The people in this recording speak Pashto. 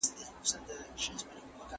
تاسې په کوم ټولګي کې درس وایئ؟